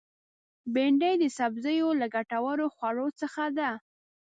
بېنډۍ د سبزیو له ګټورو خوړو څخه ده